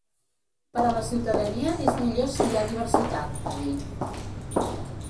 Per a la ciutadania és millor si hi ha diversitat, va dir.